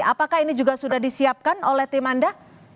apakah ini juga sudah disiapkan oleh tim anda